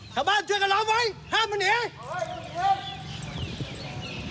เช้าบ้านช่วยกันร้องไว้ห้ามมาเหนียว